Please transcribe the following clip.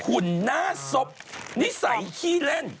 หุ่นหน้าซบนิสัยขี้เล่น